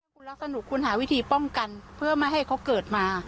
คุณรักสนุกคุณหาวิธีป้องกันเพื่อไม่ให้เขาเกิดมา